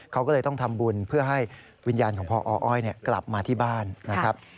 เขาก็เลยต้องทำบุญเพื่อให้วิญญาณของพออ้อยกลับมาที่บ้านนะครับ